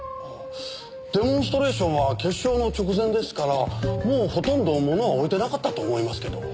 デモンストレーションは決勝の直前ですからもうほとんど物は置いてなかったと思いますけど。